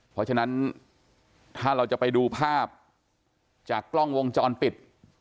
เพราะฉะนั้นถ้าเราจะไปดูภาพจากกล้องวงจรปิด